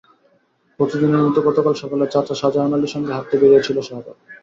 প্রতিদিনের মতো গতকাল সকালে চাচা শাহজাহান আলীর সঙ্গে হাঁটতে বেরিয়েছিল শাহাদাত।